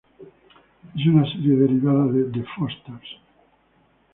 Es una serie derivada de "The Fosters".